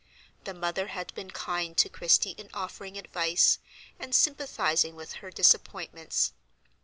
The mother had been kind to Christie in offering advice, and sympathizing with her disappointments.